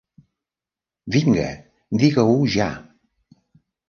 Vinga, diga-ho ja!